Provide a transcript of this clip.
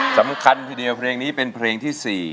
สำคัญทีเดียวเพลงนี้เป็นเพลงที่๔